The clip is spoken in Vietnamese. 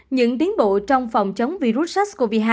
những tiến bộ trong phòng chống virus sars cov hai